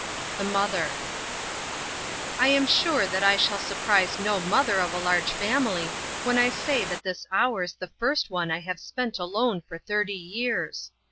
THE MOTHER, by Edith Wyatt I am sure that I shall surprise no mother of a large family when I say that this hour is the first one I have spent alone for thirty years.